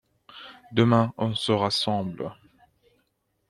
Demain on se rassemble.